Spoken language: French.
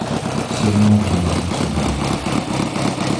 Seulement environ sont vendus.